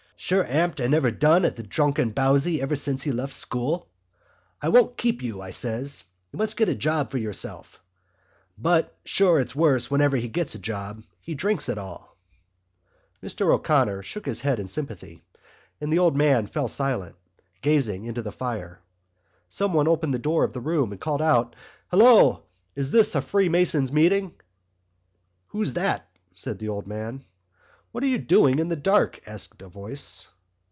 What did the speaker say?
"Sure, amn't I never done at the drunken bowsy ever since he left school? 'I won't keep you,' I says. 'You must get a job for yourself.' But, sure, it's worse whenever he gets a job; he drinks it all." Mr O'Connor shook his head in sympathy, and the old man fell silent, gazing into the fire. Someone opened the door of the room and called out: "Hello! Is this a Freemasons' meeting?" "Who's that?" said the old man. "What are you doing in the dark?" asked a voice.